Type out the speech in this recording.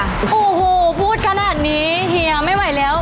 โอ้โหพูดขนาดนี้เฮียไม่ไหวแล้ว